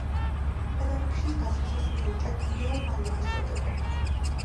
თადარიგში გასვლისას მიენიჭა გენერალ-მაიორის წოდება.